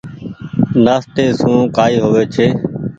نآستي سون ڪآئي هووي ڇي۔